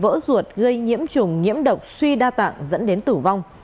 vỡ ruột gây nhiễm trùng nhiễm độc suy đa tạng dẫn đến tử vong